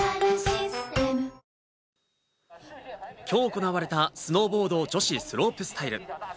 きょう行われた、スノーボード女子スロープスタイル。